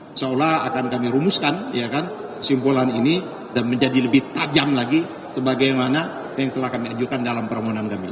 insya allah akan kami rumuskan kesimpulan ini dan menjadi lebih tajam lagi sebagaimana yang telah kami ajukan dalam permohonan kami